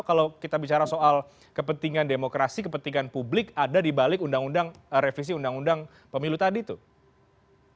kalau kita bicara soal kepentingan demokrasi kepentingan publik ada di balik undang undang revisi undang undang pemilu tadi tuh